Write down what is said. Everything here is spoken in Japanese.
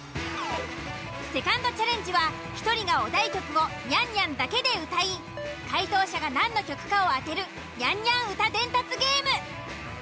セカンドチャレンジは１人がお題曲をニャンニャンだけで歌い解答者が何の曲かを当てるニャンニャン歌伝達ゲーム。